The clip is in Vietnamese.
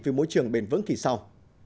về môi trường bền vững kỳ sau